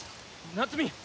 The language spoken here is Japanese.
夏美！